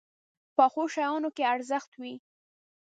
پخو شیانو کې ارزښت وي